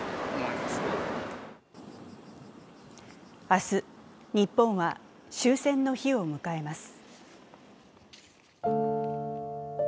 明日、日本は終戦の日を迎えます。